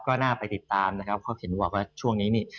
ก็น่าไปติดตามนะครับเพราะเห็นบอกว่าช่วงนี้นี่